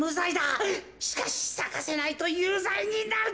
しかしさかせないとゆうざいになる。